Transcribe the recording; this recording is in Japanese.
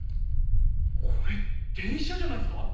これ電車じゃないですか？